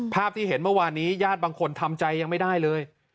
ภาพที่เห็นเมื่อวานนี้ญาติบางคนทำใจยังไม่ได้เลย